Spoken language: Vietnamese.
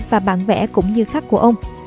và bản vẽ cũng như khắc của ông